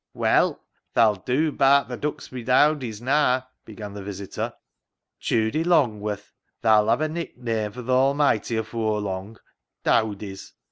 " Well, tha'll dew ba'at th' Duxbury dowdies naa," began the visitor. "Judy Longworth, thaa'll have a nickname fur th' Almighty afoor lung ! Dowdies